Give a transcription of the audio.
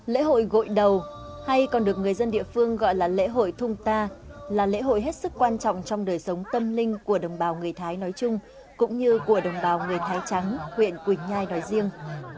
lễ hội gội đầu hay còn được người dân địa phương gọi là lễ hội thung ta là lễ hội hết sức quan trọng trong đời sống tâm linh của đồng bào người thái nói chung cũng như của đồng bào người thái trắng huyện quỳnh nhai nói riêng